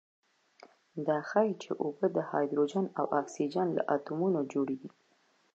دا ښيي چې اوبه د هایدروجن او اکسیجن له اتومونو جوړې دي.